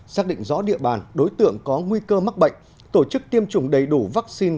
xác định rõ địa bàn đối tượng có nguy cơ mắc bệnh tổ chức tiêm chủng đầy đủ vaccine